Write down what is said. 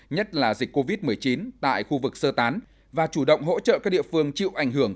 nhất là dịch covid một mươi chín tại khu vực sơ tán và chủ động hỗ trợ các địa phương chịu ảnh hưởng